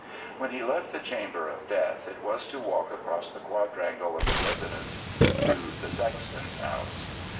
When he left the chamber of death, it was to walk across the quadrangle of the residence to the sexton's house.